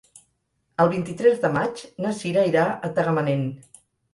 El vint-i-tres de maig na Cira irà a Tagamanent.